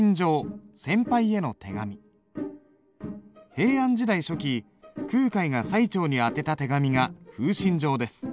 平安時代初期空海が最澄にあてた手紙が「風信帖」です。